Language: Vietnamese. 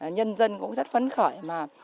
nhân dân cũng rất phấn khởi